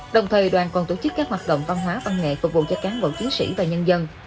đồng thời đoàn còn tổ chức các hoạt động văn hóa văn nghệ phục vụ cho cán bộ chiến sĩ và nhân dân